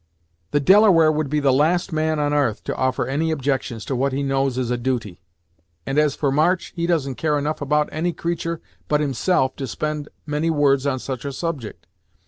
The Delaware would be the last man on 'arth to offer any objections to what he knows is a duty, and, as for March, he doesn't care enough about any creatur' but himself to spend many words on such a subject.